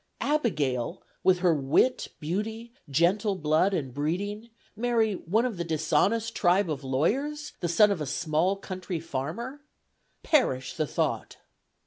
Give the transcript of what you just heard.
Abigail, with her wit, beauty, gentle blood and breeding, marry "one of the dishonest tribe of lawyers," the son of a small country farmer? Perish the thought!